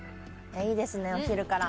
いいですね、お昼から。